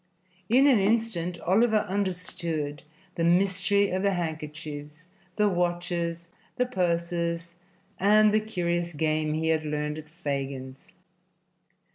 In an instant Oliver understood the mystery of the handkerchiefs, the watches, the purses and the curious game he had learned at Fagin's.